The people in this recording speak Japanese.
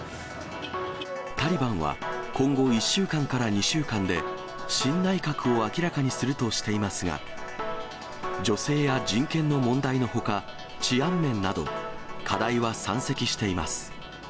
タリバンは今後１週間から２週間で、新内閣を明らかにするとしていますが、女性や人権の問題のほか、治安面など、課題は山積しています。